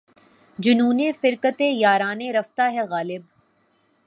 جنونِ فرقتِ یارانِ رفتہ ہے غالب!